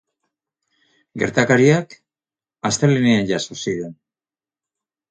Gertakariak astelehenean jazo ziren.